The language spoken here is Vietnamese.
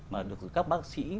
mà được các bác sĩ